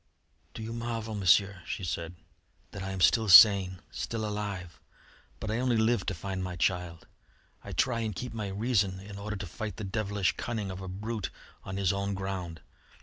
"Do you marvel, Monsieur," she said, "that I am still sane still alive? But I only live to find my child. I try and keep my reason in order to fight the devilish cunning of a brute on his own ground.